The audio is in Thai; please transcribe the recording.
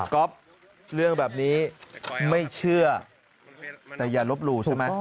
ก๊อฟเรื่องแบบนี้ไม่เชื่อแต่อย่าลบหลู่ใช่ไหม